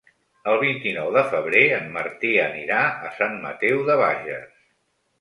El vint-i-nou de febrer en Martí anirà a Sant Mateu de Bages.